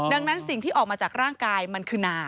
ดังนั้นสิ่งที่ออกมาจากร่างกายมันคือนา